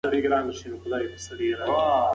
ملکیار هم په خپل شعر کې ترنک رود ته خطاب کوي.